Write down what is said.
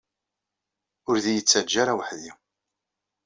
Ur d-iyi-ttaǧǧa ara weḥd-i.